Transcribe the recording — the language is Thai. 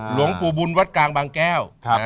หลวงปู่บุญวัดกลางบางแก้ว